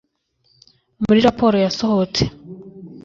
muri raporo yasohotse,